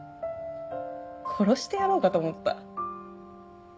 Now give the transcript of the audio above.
殺してやろうかと思った。